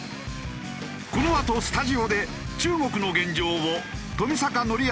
このあとスタジオで中国の現状を冨坂範明